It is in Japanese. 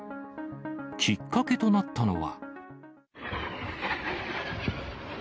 きっかけとなったのは。